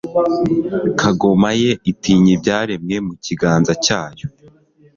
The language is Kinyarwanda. kagoma ye itinya ibyaremwe mukiganza cyayo